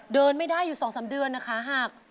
เดินไม่ได้อยู่๒๓เดือนนะคะหาก